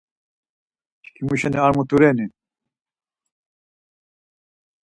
Çkimi şeni ar mutu reni?